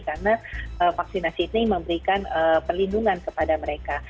karena vaksinasi ini memberikan perlindungan kepada mereka